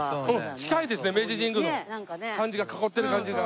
近いですね明治神宮の囲ってる感じが。